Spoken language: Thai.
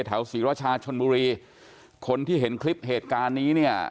ศรีราชาชนบุรีคนที่เห็นคลิปเหตุการณ์นี้เนี่ย